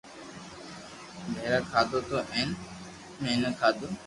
پآزا کاڌو تو ھين ميٺو کادو